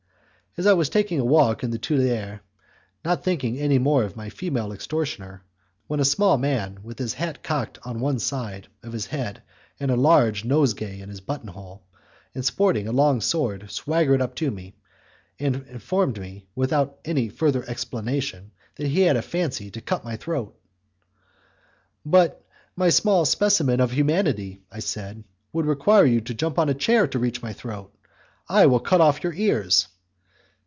I was taking a walk in the Tuileries, not thinking any more of my female extortioner, when a small man, with his hat cocked on one side of his head and a large nosegay in his button hole, and sporting a long sword, swaggered up to me and informed me, without any further explanation, that he had a fancy to cut my throat. "But, my small specimen of humanity," I said, "you would require to jump on a chair to reach my throat. I will cut your ears."